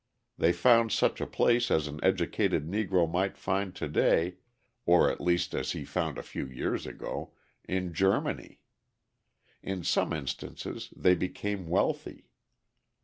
They found such a place as an educated Negro might find to day (or at least as he found a few years ago) in Germany. In some instances they became wealthy.